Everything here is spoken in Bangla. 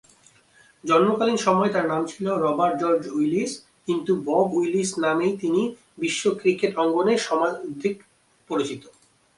জন্মকালীন সময়ে তার নাম ছিল "রবার্ট জর্জ উইলিস"; কিন্তু বব উইলিস নামেই তিনি বিশ্ব ক্রিকেট অঙ্গনে সমধিক পরিচিত।